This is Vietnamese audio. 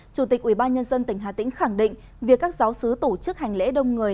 chủ tịch ubnd tỉnh hà tĩnh khẳng định việc các giáo sứ tổ chức hành lễ đông người